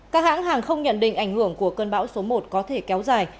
các hãng hàng không nhận định ảnh hưởng của cơn bão số một có thể kéo dài